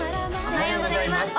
おはようございます